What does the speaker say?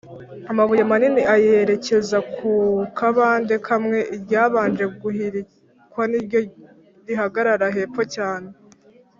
amabuye manini ayerecyeza mu kabande kamwe : iryabanje guhirikwa niryo rihagarara hepfo cyane;